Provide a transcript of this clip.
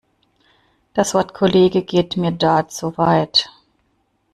Das Wort Kollege geht mir da zu weit.